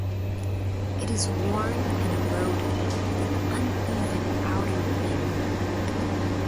It is worn and eroded with an uneven outer rim.